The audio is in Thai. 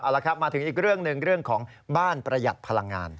เอาละครับมาถึงอีกเรื่องหนึ่งเรื่องของบ้านประหยัดพลังงาน